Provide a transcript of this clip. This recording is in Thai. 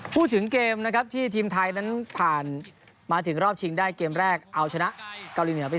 พูดถึงเกมนะครับที่ทีมไทยนั้นผ่านมาถึงรอบชิงได้เกมแรกเอาชนะเกาหลีเหนือไป